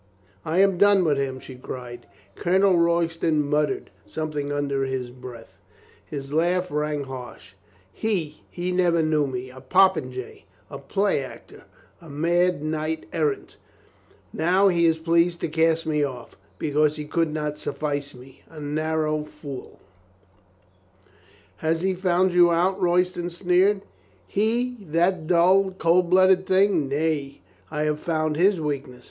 "I ,am done with him," she cried. Colonel Royston muttered something under his breath. Her laugh rang harsh. "He! He never knew me — a popinjay, a play actor, a mad knight errant. Now he is pleased to cast me off — ^because he could not suffice me — a narrow fool !" 222 COLONEL GREATHEART "Has he found you out?" Royston sneered. "He — that dull, cold blooded thing! Nay, I have found his weakness.